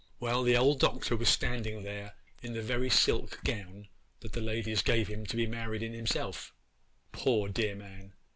'Well, the old Doctor was standing there in the very silk gown that the ladies gave him to be married in himself, poor, dear man!